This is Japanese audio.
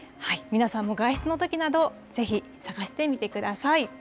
皆さんも外出のときなど、ぜひ探してみてください。